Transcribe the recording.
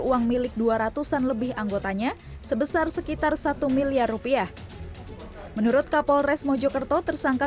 uang milik dua ratus an lebih anggotanya sebesar sekitar satu miliar rupiah menurut kapolres mojokerto tersangka